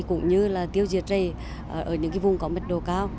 cũng như tiêu diệt dày ở những vùng có mệt độ cao